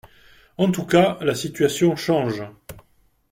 En tous cas, la situation change.